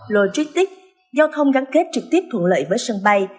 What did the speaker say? logistics giao thông gắn kết trực tiếp thuận lợi với sân bay